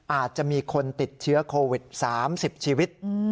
อาจจะมีคนติดเชื้อโควิดสามสิบชีวิตอืม